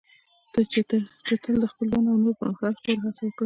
چې تل د خپل ځان او نورو پرمختګ لپاره هڅه وکړه.